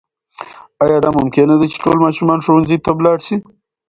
آیا دا ممکنه ده چې ټول ماشومان ښوونځي ته ولاړ سي؟